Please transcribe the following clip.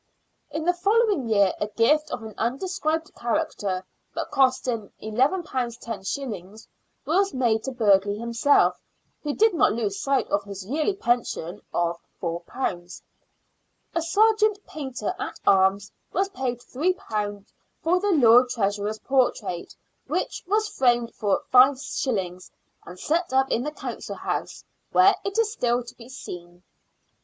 In the following year a gift of an undescribed character, but costing £11 los., was made to Burghley himself, who did not lose sight of his yearly " pension " of £^. A " sargeant Painter at Arms " was paid £^ for the Lord Treasurer's portrait, which was framed for 5s. and set up in the Council House, where it is still to be seen.